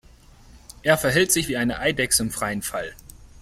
Er verhält sich wie eine Eidechse im freien Fall.